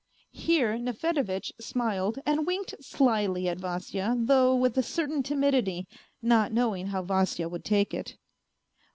Here Nefedevitch smiled and winked slyly at Vasya, though with a certain timidity, not knowing how Vasya would take it.